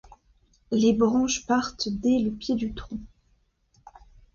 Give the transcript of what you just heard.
Les branches partent dès le pied du tronc.